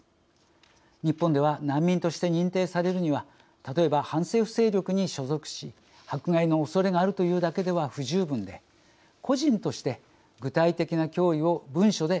日本では難民として認定されるには例えば反政府勢力に所属し迫害のおそれがあるというだけでは不十分で個人として具体的な脅威を文書で証明しなくてはなりません。